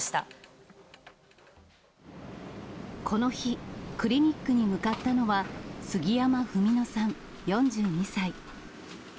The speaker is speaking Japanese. この日、クリニックに向かったのは、杉山文野さん４２歳。